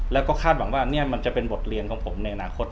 แล้วก็คาดหวังว่านี่มันจะเป็นบทเรียนของผมในอนาคต